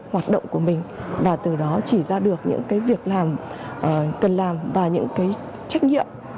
hoạt động của mình và từ đó chỉ ra được những việc cần làm và những trách nhiệm